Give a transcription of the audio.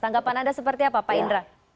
tanggapan anda seperti apa pak indra